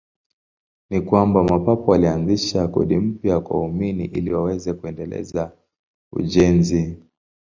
Ni kwamba Mapapa walianzisha kodi mpya kwa waumini ili waweze kuendeleza ujenzi.